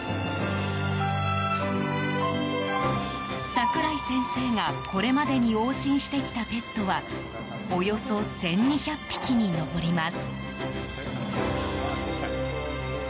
櫻井先生がこれまでに往診してきたペットはおよそ１２００匹に上ります。